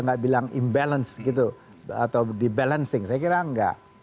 kalau saya bilang imbalance gitu atau di balancing saya kira nggak